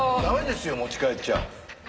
駄目ですよ持ち帰っちゃ。